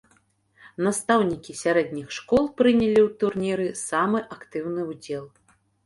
Настаўнікі сярэдніх школ прынялі ў турніры самы актыўны ўдзел.